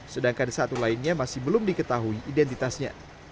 sedangkan satu lainnya masih belum diketahui identitasnya